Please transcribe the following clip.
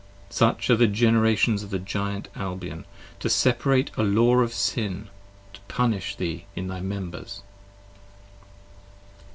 Such are the Generations of the Giant Albion, 50 To separate a Law of Sin, to punish thee in thy members.